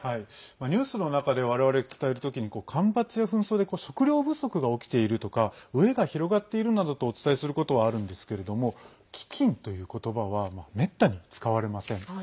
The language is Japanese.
ニュースの中で我々、伝える時に干ばつや紛争で食糧不足が起きているとか飢えが広がっているなどとお伝えすることはあるんですけれども飢きんという言葉はめったに使われません。